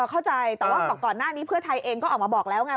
เข้าใจแต่ว่าก่อนหน้านี้เพื่อไทยเองก็ออกมาบอกแล้วไง